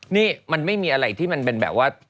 นี่มันไม่มีอะไรที่มันเป็นแบบว่า